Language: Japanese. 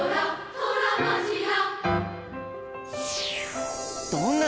トラマジラ！」